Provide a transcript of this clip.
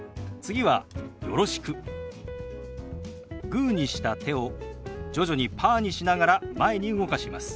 グーにした手を徐々にパーにしながら前に動かします。